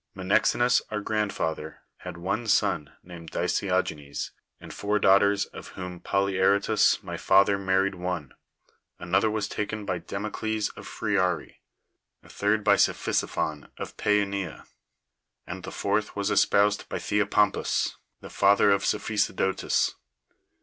Menexenus our grandfather had one son named Dicseogenes, and four daughters, of whom Polyaratus my father married one; another was taken by Democles of Phrearrhi; a third by Ccphisophon of Pi^ania ; and the fourth was es poused by Theopompus the father of Cephisodo tus.